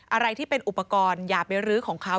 อะไรที่เป็นอุปกรณ์อย่าไปรื้อของเขา